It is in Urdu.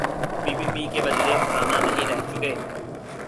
پی پی پی کے وزیر خزانہ نہیں رہ چکے؟